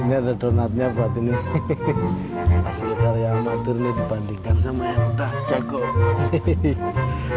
ini ada donatnya buat ini hehehe asal karya amatir dibandingkan sama yang udah jago hehehe